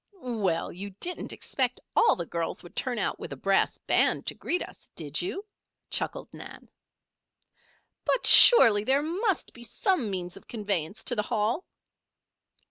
"Well, you didn't expect all the girls would turn out with a brass band to greet us, did you?" chuckled Nan. "But surely there must be some means of conveyance to the Hall!"